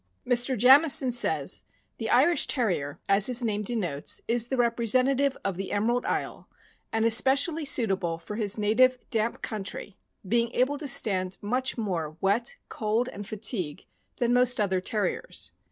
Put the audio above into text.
Mr. Jamison says : The Irish Terrier, as his name denotes, is the representative of the Emerald Isle, and especially suitable for his native damp country, being able to stand much more wet, cold, and fatigue than most other Terriers.